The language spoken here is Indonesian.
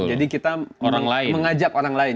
jadi kita mengajak orang lain